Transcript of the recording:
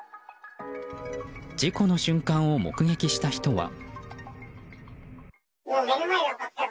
事故の瞬間を目撃した人は。